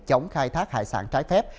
chống khai thác hải sản trái phép